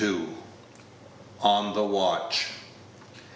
ON THE WATCH.